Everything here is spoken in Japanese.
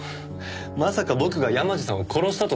まさか僕が山路さんを殺したとでも？